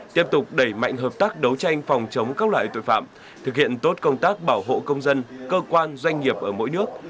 tiếp tục đẩy mạnh hợp tác đấu tranh phòng chống các loại tội phạm thực hiện tốt công tác bảo hộ công dân cơ quan doanh nghiệp ở mỗi nước